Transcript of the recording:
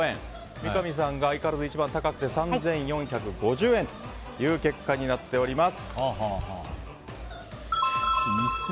三上さんが相変わらず一番高くて３４５０円という結果になっています。